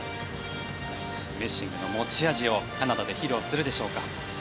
メッシングの持ち味をカナダで披露するでしょうか。